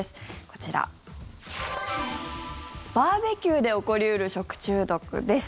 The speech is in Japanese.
こちら、バーベキューで起こり得る食中毒です。